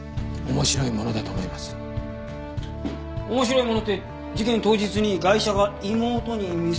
「面白いもの」って事件当日にガイシャが妹に見せると言ったあれか？